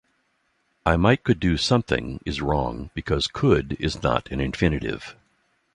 "I might could do something" is wrong because "could" is not an infinitive.